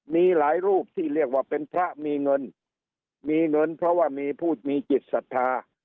มีหลายรูปที่เรียกว่าเป็นพระมีเงินมีเงินเพราะว่ามีผู้มีจิตศรัทธา